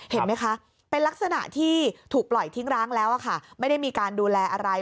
เห็นไหมคะเป็นลักษณะที่ถูกปล่อยทิ้งร้างแล้วค่ะไม่ได้มีการดูแลอะไร